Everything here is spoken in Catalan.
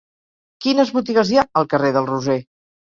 Quines botigues hi ha al carrer del Roser?